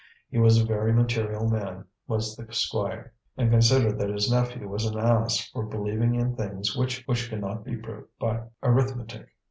He was a very material man was the Squire, and considered that his nephew was an ass for believing in things which could not be proved by arithmetic.